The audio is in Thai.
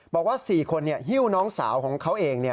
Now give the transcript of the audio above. บอกว่า๔คนฮิ้วน้องสาวของเขาเอง